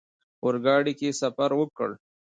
اورګاډي کې سفر وکړ.